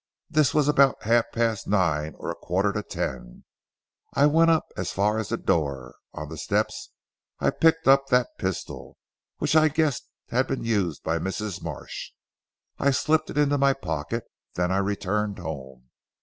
This was about half past nine or a quarter to ten. I went up as far as the door. On the steps I picked up that pistol which I guessed had been used by Mrs. Marsh. I slipped it into my pocket. Then I returned home.